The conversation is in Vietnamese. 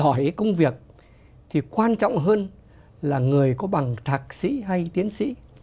làm giỏi công việc thì quan trọng hơn là người có bằng thạc sĩ hay tiến sĩ